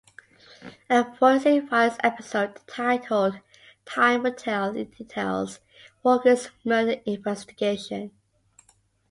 A "Forensic Files" episode titled "Time Will Tell" details Walker's murder investigation.